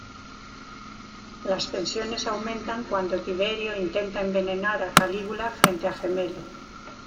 Las tensiones aumentan cuando Tiberio intenta envenenar a Calígula frente a Gemelo.